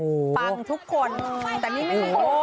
โอ้โฮปังทุกคนแต่นี่โอ้โฮ